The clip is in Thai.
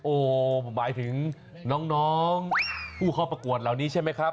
โอ้โหหมายถึงน้องผู้เข้าประกวดเหล่านี้ใช่ไหมครับ